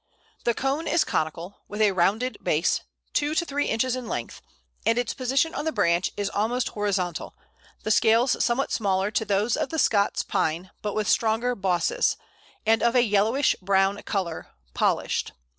The cone is conical (!), with a rounded base, two to three inches in length, and its position on the branch is almost horizontal, the scales somewhat similar to those of the Scots Pine, but with stronger bosses, and of a yellowish brown colour, polished.